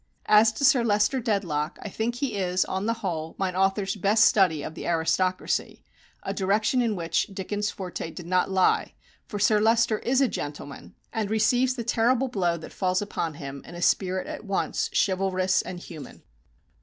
As to Sir Leicester Dedlock, I think he is, on the whole, "mine author's" best study of the aristocracy, a direction in which Dickens' forte did not lie, for Sir Leicester is a gentleman, and receives the terrible blow that falls upon him in a spirit at once chivalrous and human.